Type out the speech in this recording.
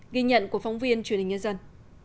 ghi nhận của phóng viên truyền hình nhân dân